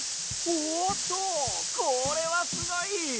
おおっとこれはすごい！